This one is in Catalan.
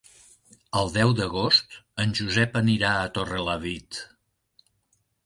El deu d'agost en Josep anirà a Torrelavit.